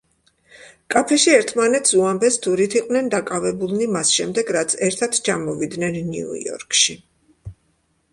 კაფეში ერთმანეთს უამბეს, თუ რით იყვნენ დაკავებულნი მას შემდეგ, რაც ერთად ჩამოვიდნენ ნიუ-იორკში.